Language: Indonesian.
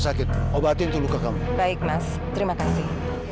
sakit obatin itu luka kamu baik mas terima kasih